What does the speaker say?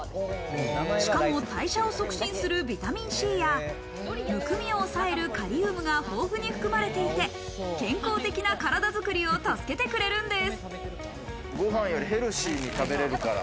しかも代謝を促進するビタミンＣやむくみを抑えるカリウムが豊富に含まれていて、健康的な体づくりを助けてくれるんです。